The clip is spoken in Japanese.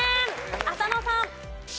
浅野さん。